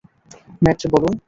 Mat, বলুন?